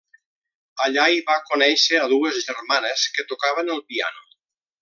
Allà hi va conèixer a dues germanes que tocaven el piano.